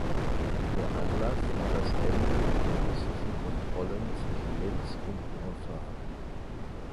Der Anlass war das Ende der russischen Kontrollen zwischen Linz und Urfahr.